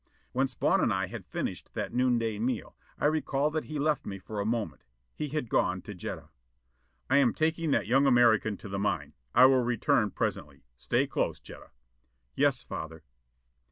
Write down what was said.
When Spawn and I had finished that noonday meal, I recall that he left me for a moment. He had gone to Jetta. "I am taking that young American to the mine. I will return presently. Stay close, Jetta." "Yes, Father."